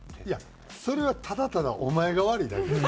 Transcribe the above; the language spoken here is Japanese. いやそれはただただお前が悪いだけ。